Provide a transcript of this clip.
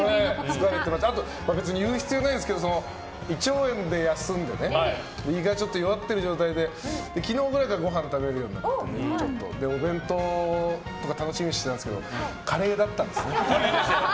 あと別に言う必要はないですけど胃腸炎で休んでね胃が弱ってる状態で昨日ぐらいからご飯食べれるようになってお弁当とか楽しみにしてたんですけどカレーだったんですね。